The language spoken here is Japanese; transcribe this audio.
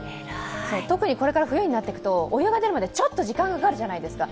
特にこれから冬になっていくと、お湯が出るまでちょっと時間がかかるじゃないですか。